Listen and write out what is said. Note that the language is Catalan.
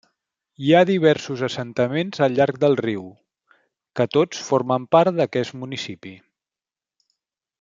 Hi ha diversos assentaments al llarg del riu, que tots formen part d'aquest municipi.